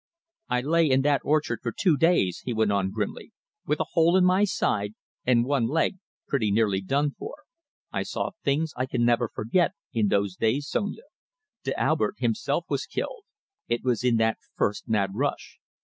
"I lay in that orchard for two days," he went on grimly, "with a hole in my side and one leg pretty nearly done for. I saw things I can never forget, in those days, Sonia. D'Albert himself was killed. It was in that first mad rush.